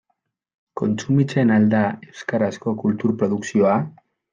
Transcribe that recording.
Kontsumitzen al da euskarazko kultur produkzioa?